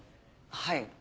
はい。